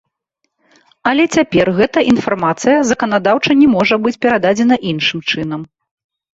Але цяпер гэта інфармацыя заканадаўча не можа быць перададзена іншым чынам.